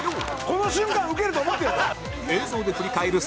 この瞬間ウケると思ってる。